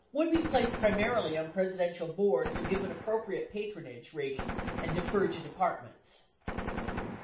would be placed primarily on Presidential Boards or given appro priate patronage rating and referred to Departments.